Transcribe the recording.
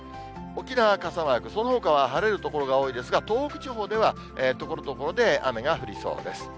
沖縄傘マーク、そのほかは晴れる所が多いですが、東北地方ではところどころで雨が降りそうです。